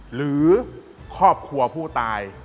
หรือครอบครัวผู้ตาย